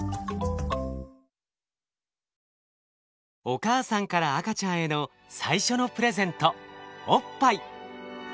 お母さんから赤ちゃんへの最初のプレゼントおっぱい。